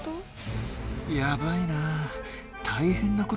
やばいなあ。